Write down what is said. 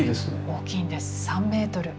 大きいんです３ｍ。